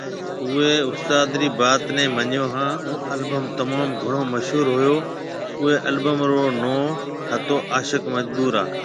اوئي استاد ري بات ني مڃيو ھان او البم تموم گھڻو مشھور ھوئو اوئي البم رو نون ھتو عاشق مجبور آ